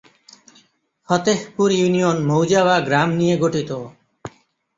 Fatehpur union মৌজা/গ্রাম নিয়ে গঠিত।